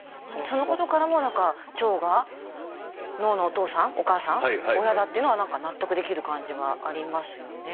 そのことからも何か腸が脳のお父さんお母さん親だっていうのは納得できる感じはありますよね。